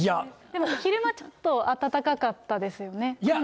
でも昼間ちょっと暖かかったですよね。